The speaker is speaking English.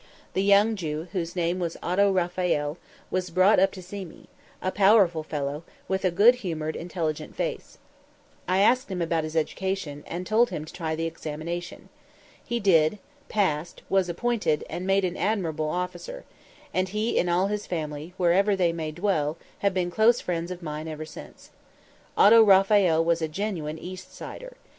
The young Jew, whose name was Otto Raphael, was brought up to see me; a powerful fellow, with a good humored, intelligent face. I asked him about his education, and told him to try the examination. He did, passed, was appointed, and made an admirable officer; and he and all his family, wherever they may dwell, have been close friends of mine ever since. Otto Raphael was a genuine East Sider.